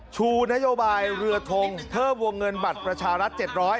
ชูนโยบายเรือทงเพิ่มวงเงินบัตรประชารัฐ๗๐๐